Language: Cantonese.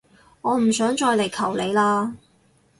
我唔想再嚟求你喇